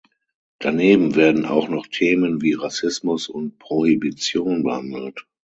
Daneben werden auch noch Themen wie Rassismus und Prohibition behandelt.